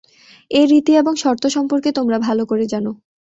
এ রীতি এবং শর্ত সম্পর্কে তোমরা ভাল করে জান।